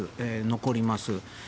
残ります。